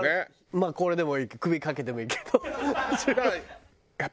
まあこれでもいい首かけてもいいけど。